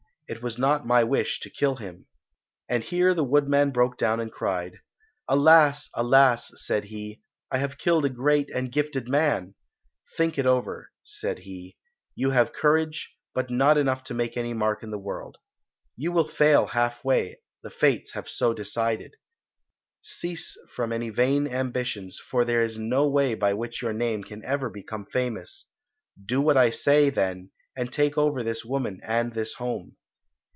It was not my wish to kill him," and here the woodman broke down and cried. "Alas, alas!" said he, "I have killed a great and gifted man. Think it over," said he; "you have courage, but not enough to make any mark in the world. You will fail half way, the Fates have so decided. Cease from any vain ambitions, for there is no way by which your name can ever become famous. Do what I say, then, and take over this woman and this home."